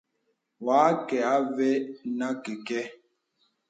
Wà àkə avɛ nə kɛ̄kɛ.